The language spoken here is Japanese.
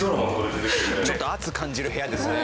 ちょっと圧感じる部屋ですね。